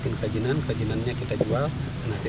dan juga pasihanku pak indra di koperasi